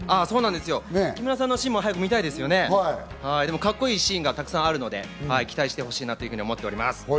木村さんのシーンも早く見たいですよね、カッコいいシーンが沢山あるので期待してほしいなと思っております。